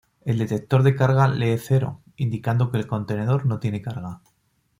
El detector de carga lee cero, indicando que el contenedor no tiene carga.